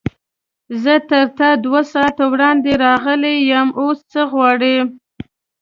زه تر تا دوه ساعته وړاندې راغلی یم، اوس څه غواړې؟